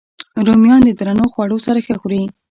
رومیان د درنو خوړو سره ښه خوري